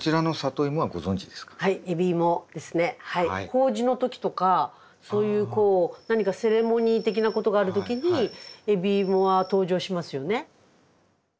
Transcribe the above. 法事の時とかそういうこう何かセレモニー的なことがある時に海老芋は登場しますよね。